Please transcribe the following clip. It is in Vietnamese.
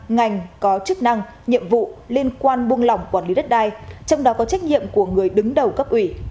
ngành có chức năng nhiệm vụ liên quan buông lỏng quản lý đất đai trong đó có trách nhiệm của người đứng đầu cấp ủy